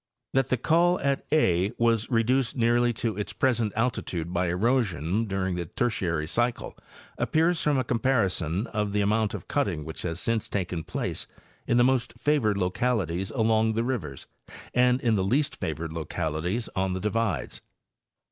That the col at a was reduced nearly to its present altitude by erosion during the Tertiary cycle appears from a comparison of the amount of cutting which has since taken place in the most favored localities along the rivers and in the least favored localities on the divides.